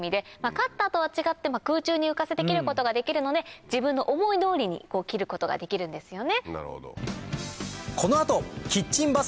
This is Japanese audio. カッターとは違って空中に浮かせて切ることができるので自分の思い通りに切ることができるんですよね。